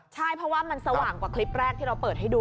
ใช่เพราะว่ามันสว่างกว่าคลิปแรกที่เราเปิดให้ดู